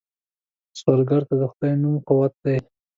سوالګر ته د خدای نوم قوت دی